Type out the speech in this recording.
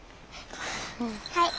はい。